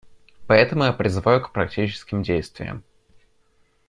Поэтому я призываю к практическим действиям.